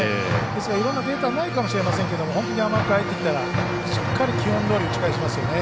いろんなデータはないかもしれませんけど本当に甘く入ってきたらしっかり基本どおり打ち返しますよね。